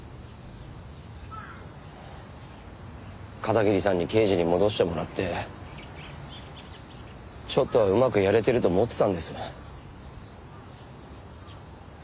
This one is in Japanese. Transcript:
片桐さんに刑事に戻してもらってちょっとはうまくやれてると思ってたんです。